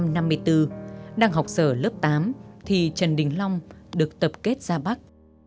năm một nghìn chín trăm năm mươi bốn đang học sở lớp tám thì trần đình long được tập kết ra bắc